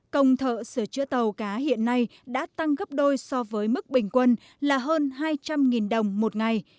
công thợ sửa chữa tàu cá hiện nay đã tăng gấp đôi so với mức bình quân là hơn hai trăm linh đồng một ngày